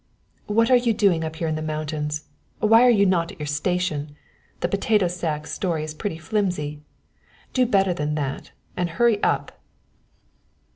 "What are you doing up here in the mountains why are you not at your station? The potato sack story is pretty flimsy. Do better than that and hurry up!"